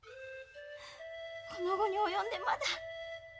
この期に及んでまだ。